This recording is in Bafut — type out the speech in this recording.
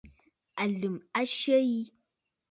Àlə̀m a syə yi.